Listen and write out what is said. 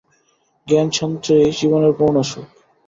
জ্ঞান সঞ্চয়েই জীবনের পূর্ণ সুখ।